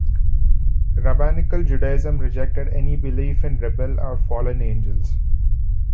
Rabbinical Judaism rejected any belief in rebel or fallen angels.